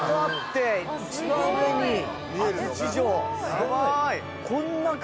すごーい！